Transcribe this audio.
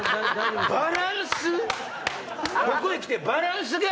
バランス⁉